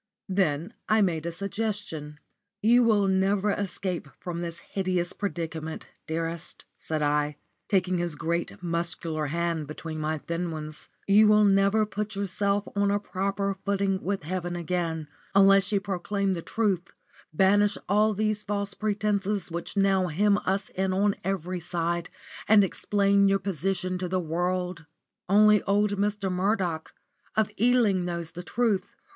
Then I made a suggestion. "You will never escape from this hideous predicament, dearest," said I, taking his great, muscular hand between my thin ones, "you will never put yourself on a proper footing with heaven again, unless you proclaim the truth, banish all these false pretences which now hem us in on every side, and explain your position to the world. Only old Mr. Murdoch, of Ealing, knows the truth.